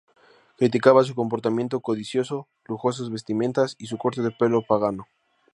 Criticaba su comportamiento codicioso, lujosas vestimentas y su corte de pelo pagano.